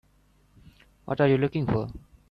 What are you looking for?